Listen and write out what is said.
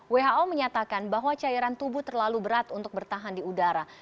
who menyatakan bahwa cairan tubuh terlalu berat untuk bertahan di udara